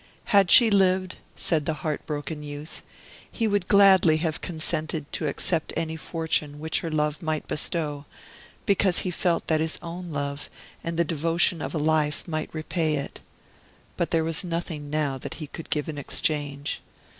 Had she lived, said the heartbroken youth, he would gladly have consented to accept any fortune which her love might bestow, because he felt that his own love and the devotion of a life might repay it. But there was nothing now that he could give in exchange.